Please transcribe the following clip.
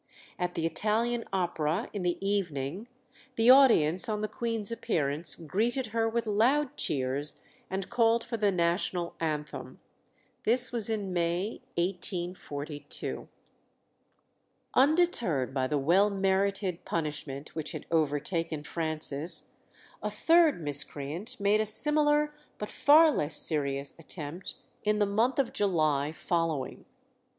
At the Italian Opera in the evening the audience, on the Queen's appearance, greeted her with loud cheers, and called for the national anthem. This was in May 1842. Undeterred by the well merited punishment which had overtaken Francis, a third miscreant made a similar but far less serious attempt in the month of July following.